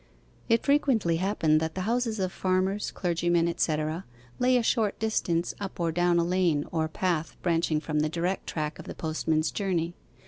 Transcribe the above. It frequently happened that the houses of farmers, clergymen, etc., lay a short distance up or down a lane or path branching from the direct track of the postman's journey.